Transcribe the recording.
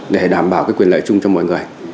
để đảm bảo quyền lợi chung cho mọi người